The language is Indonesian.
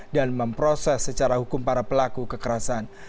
dan memproses secara hukum para pelaku kekerasan